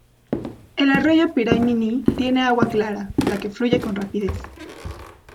El arroyo Piray-Miní tiene agua clara, la que fluye con rapidez.